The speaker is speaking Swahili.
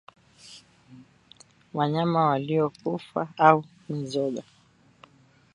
Wanyama waliokufa au Mizoga